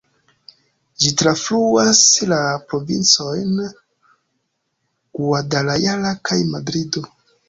Ĝi trafluas la provincojn Guadalajara kaj Madrido.